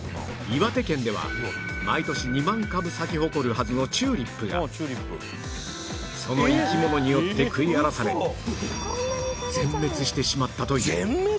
岩手県では毎年２万株咲き誇るはずのチューリップがその生き物によって食い荒らされ全滅してしまったという全滅！？